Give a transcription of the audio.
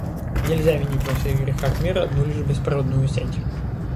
Нельзя винить во всех грехах мира одну лишь беспроводную сеть.